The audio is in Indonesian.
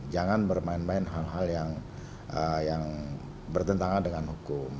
jangan bermain main hal hal yang bertentangan dengan hukum